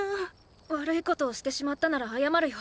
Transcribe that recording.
悪いことをしてしまったなら謝るよ。